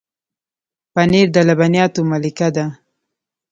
پنېر د لبنیاتو ملکه ده.